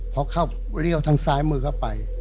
พอเข้าเลี่ยวทางซ้ายมือเข้าไป